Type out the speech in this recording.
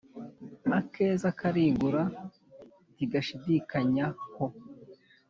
Akeza karigura ntiga shidikanya ho